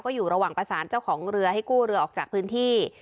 อยู่ระหว่างประสานเจ้าของเรือให้กู้เรือออกจากพื้นที่